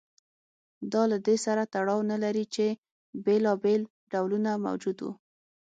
دا له دې سره تړاو نه لري چې بېلابېل ډولونه موجود و